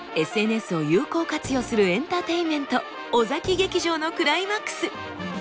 ＳＮＳを有効活用するエンターテインメント尾崎劇場のクライマックス！